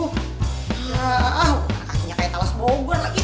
hah wah kakinya kayak talas bobor lagi